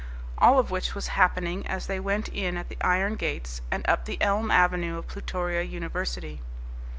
All of which was happening as they went in at the iron gates and up the elm avenue of Plutoria University.